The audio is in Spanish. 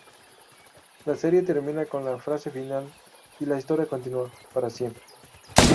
La serie termina con la frase final: "Y la historia continúa... para siempre".